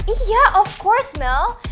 iya tentu saja mel